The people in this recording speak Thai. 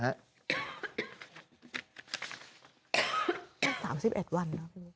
วัน๓๑วัน